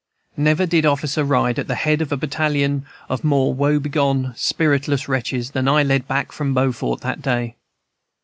"Never did officer ride at the head of a battalion of more wobegone, spiritless wretches than I led back from Beaufort that day.